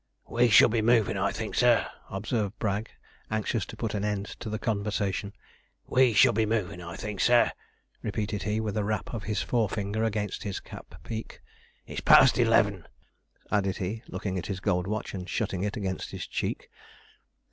'We should be moving, I think, sir,' observed Bragg, anxious to put an end to the conversation; 'we should be moving, I think, sir,' repeated he, with a rap of his forefinger against his cap peak. 'It's past eleven,' added he, looking at his gold watch, and shutting it against his cheek.